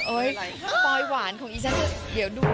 ปลอยหวานของอีซ่าเดี๋ยวดู